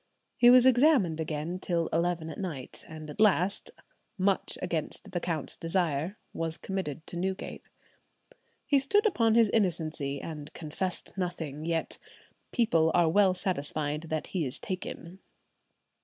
He was examined again till eleven at night, and at last, "much against the count's desire," was committed to Newgate. He stood upon his innocency, and confessed nothing, yet "people are well satisfied that he is taken."